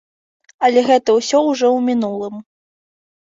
Але гэта ўсё ўжо ў мінулым.